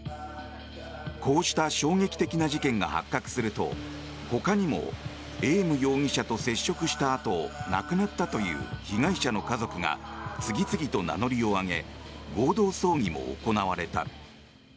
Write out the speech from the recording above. こうした衝撃的な事件が発覚するとほかにもエーム容疑者と接触したあと亡くなったという被害者の家族が次々と名乗りを上げ合同葬儀も行われた。